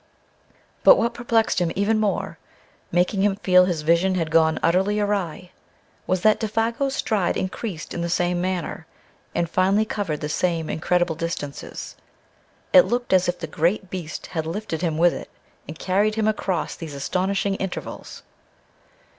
But what perplexed him even more, making him feel his vision had gone utterly awry, was that Défago's stride increased in the same manner, and finally covered the same incredible distances. It looked as if the great beast had lifted him with it and carried him across these astonishing intervals.